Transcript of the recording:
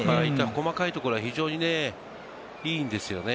細かいところ、非常にいいんですよね。